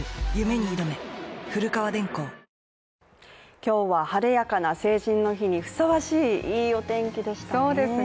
今日は晴れやかな成人の日にふさわしいいいお天気でしたね。